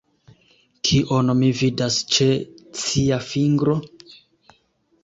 Kion mi vidas ĉe cia fingro?